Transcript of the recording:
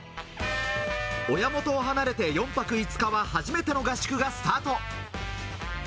親元を離れて４泊５日、初めての合宿がスタート。